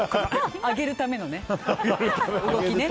上げるための動きね。